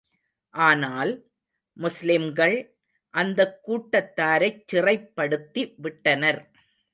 ஆனால், முஸ்லிம்கள், அந்தக் கூட்டத்தாரைச் சிறைப்படுத்தி விட்டனர்.